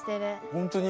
本当に？